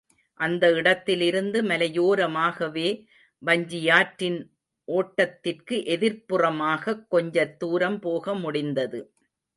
அந்த இடத்திலிருந்து மலையோரமாகவே வஞ்சியாற்றின் ஒட்டத்திற்கு எதிர்ப்புறமாகக் கொஞ்ச தூரம் போக முடிந்தது.